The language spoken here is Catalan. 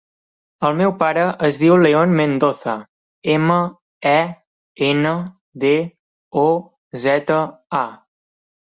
El meu pare es diu León Mendoza: ema, e, ena, de, o, zeta, a.